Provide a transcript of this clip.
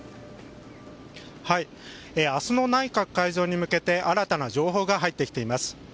明日の内閣改造に向けて新たな情報が入ってきています。